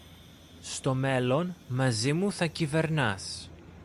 Στο μέλλον, μαζί μου θα κυβερνάς.